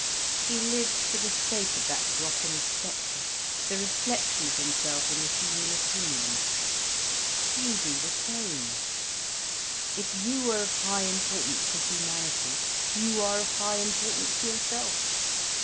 He lives for the sake of that Brocken spectre, the reflection of himself in the human opinion. You do the same. If you are of high importance to humanity you are of high importance to yourself.